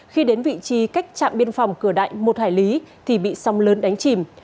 khi đến vị trí cách trạm biên phòng cửa đại một hải lý thì bị sóng lớn đánh chìm